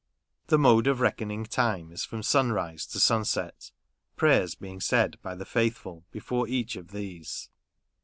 The mode of reckoning time is from sunrise to sunset — prayers being said by the faithful before each of these.